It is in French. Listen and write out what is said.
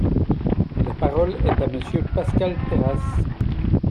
La parole est à Monsieur Pascal Terrasse.